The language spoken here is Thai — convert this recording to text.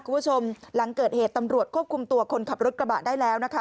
คุณผู้ชมหลังเกิดเหตุตำรวจควบคุมตัวคนขับรถกระบะได้แล้วนะคะ